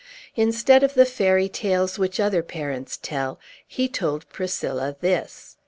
Instead of the fairy tales which other parents tell, he told Priscilla this.